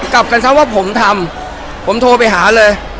กลับกันซะว่าผมทำผมโทรไปหาเลย